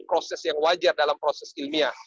proses yang wajar dalam proses ilmiah